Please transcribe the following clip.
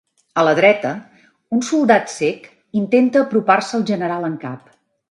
A la dreta, un soldat cec intenta apropar-se al general en cap.